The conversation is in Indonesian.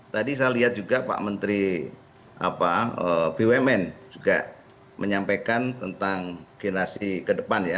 tadi saya lihat juga pak menteri bumn juga menyampaikan tentang generasi kedepan ya